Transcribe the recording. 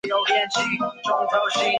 未来学也研究预测未来的科学方法。